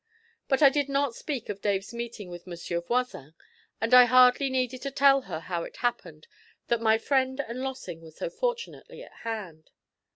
But I did not speak of Dave's meeting with Monsieur Voisin, and I hardly needed to tell her how it happened that my friend and Lossing were so fortunately at hand.